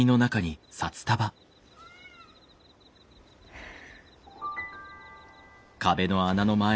ふう。